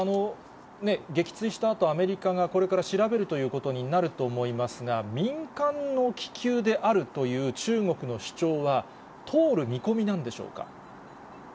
撃墜したあと、アメリカがこれから調べるということになると思いますが、民間の気球であるという中国の主張は、通る見込みなんでしょうか。